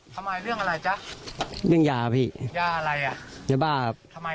ทำไมเรื่องอะไรจ๊ะเรื่องยาพี่ยาอะไรอ่ะยาบ้าทำไม